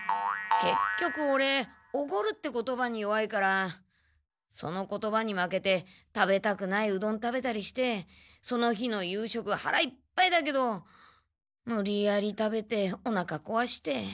けっきょくオレ「おごる」って言葉に弱いからその言葉に負けて食べたくないうどん食べたりしてその日の夕食はらいっぱいだけどむりやり食べておなかこわして。